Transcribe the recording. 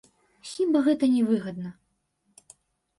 Хіба гэта не выгадна?